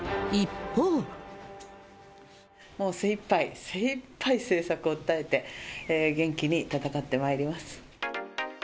もう精いっぱい、精いっぱい政策を訴えて、元気に戦ってまいります。